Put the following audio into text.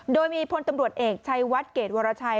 โดยมีพลตำรวจเอกชัยวัดเกรดวรชัย